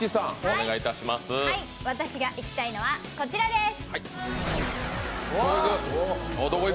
私が行きたいのはこちらです。